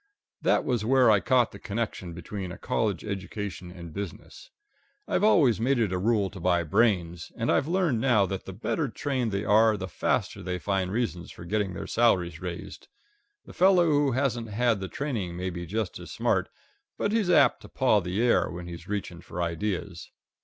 That was where I caught the connection between a college education and business. I've always made it a rule to buy brains, and I've learned now that the better trained they are the faster they find reasons for getting their salaries raised. The fellow who hasn't had the training may be just as smart, but he's apt to paw the air when he's reaching for ideas.